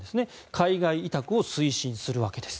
海外委託を推進するわけです。